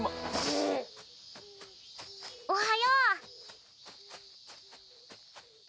おはよう。